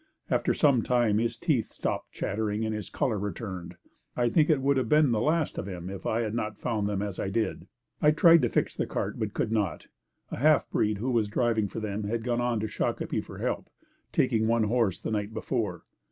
After some time his teeth stopped chattering and his color returned. I think it would have been the last of him if I had not found them as I did. I tried to fix the cart but could not. A half breed who was driving for them had gone on to Shakopee for help, taking one horse the night before.